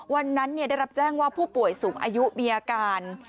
วันนั้นได้รับแจ้งว่าผู้ป่วยสูงอายุมีอาการ